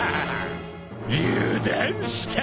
油断したな！